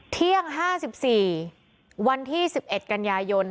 เที่ยง๕๔วันที่๑๑กันยายน